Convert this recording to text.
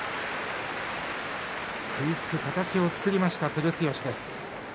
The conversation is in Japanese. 食いつく形を作りました照強です。